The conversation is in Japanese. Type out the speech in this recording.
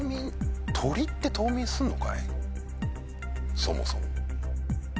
そもそも。